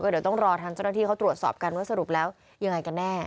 เดี๋ยวต้องรอทางเจ้าหน้าที่เขาตรวจสอบกันว่าสรุปแล้วยังไงกันแน่